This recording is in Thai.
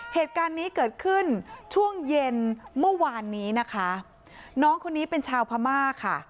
เหตุการณ์นี้เกิดขึ้นช่วงเย็นเมื่อวานนี้นะคะน้องคนนี้เป็นชาวพม่าค่ะ